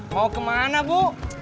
mau kemana bu